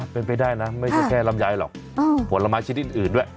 เป็นไปได้นะไม่ใช่แค่ลำไยหรอกผลไม้ชนิดอื่นด้วย